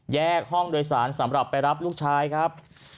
แยกห้องโดยสารสำหรับไปรับลูกชายครับ